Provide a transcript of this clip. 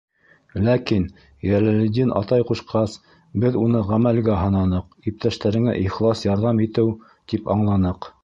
Ләкин Йәләлетдин атай ҡушҡас, беҙ уны ғәмәлгә һананыҡ, иптәштәреңә ихлас ярҙам итеү тип аңланыҡ.